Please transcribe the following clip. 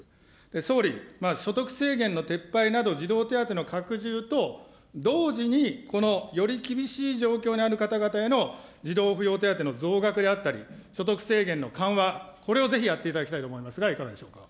総理、所得制限の撤廃など、児童手当の拡充と同時に、このより厳しい状況にある方々への児童扶養手当の増額であったり、所得制限の緩和、これをぜひやっていただきたいと思いますが、いかがでしょう。